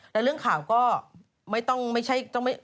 แล้วเรื่องข่าวก็ไม่ต้องไม่ใช่ต้องไม่